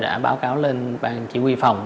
đã báo cáo lên bang chỉ huy phòng